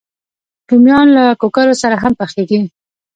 رومیان له کوکرو سره هم پخېږي